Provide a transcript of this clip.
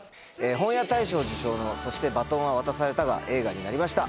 本屋大賞受賞の『そして、バトンは渡された』が映画になりました。